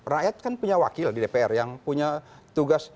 rakyat kan punya wakil di dpr yang punya tugas